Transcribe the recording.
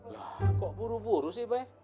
lah kok buru buru sih be